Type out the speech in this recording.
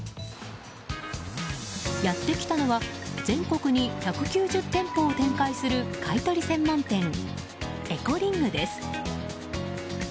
やってきたのは全国に１９０店舗を展開する買い取り専門店エコリングです。